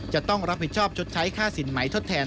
จะต้องรับผิดชอบชดใช้ค่าสินไหมทดแทน